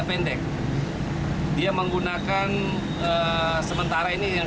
pelaku mengenai perawakan sedang